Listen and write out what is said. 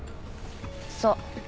そう。